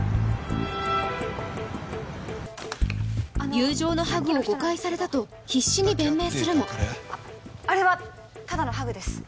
友情のハグを誤解されたと必死に弁明するもあれはただのハグです